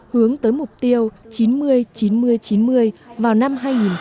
hướng tới mục tiêu chín mươi chín mươi chín mươi vào năm hai nghìn hai mươi